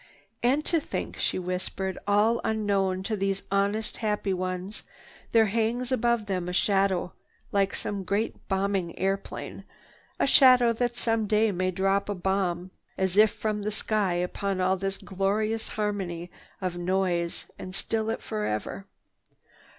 "And to think," she whispered, "all unknown to these honest, happy ones, there hangs above them a shadow like some great bombing airplane, a shadow that some day may drop a bomb as if from the sky upon all this glorious harmony of noise and still it forever.